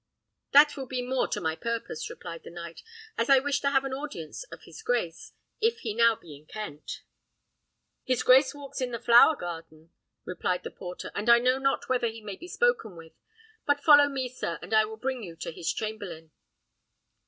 "That will be more to my purpose," replied the knight, "as I wish to have an audience of his grace, if he be now in Kent." "His grace walks in the flower garden," replied the porter, "and I know not whether he may be spoken with; but follow me, sir, and I will bring you to his chamberlain."